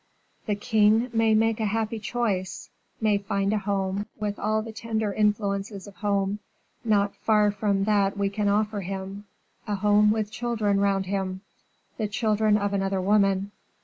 "The king may make a happy choice may find a home, with all the tender influences of home, not far from that we can offer him, a home with children round him, the children of another woman.